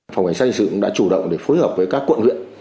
phòng cảnh sát hình sự cũng đã chủ động để phối hợp với các quận huyện